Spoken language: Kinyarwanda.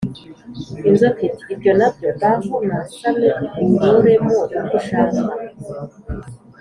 inzoka iti« ibyo na byo, ngaho nasame uroremo uko ushaka.